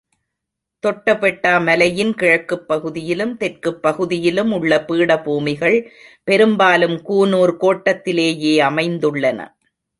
தொட்டபெட்டா மலையின் கிழக்குப் பகுதியிலும் தெற்குப் பகுதியிலும் உள்ள பீடபூமிகள் பெரும்பாலும் கூனூர் கோட்டத்திலேயே அமைந்துள்ளன.